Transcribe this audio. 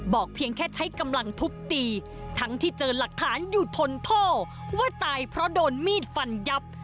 เพียงแค่ใช้กำลังทุบตีทั้งที่เจอหลักฐานอยู่ทนโทษว่าตายเพราะโดนมีดฟันยับ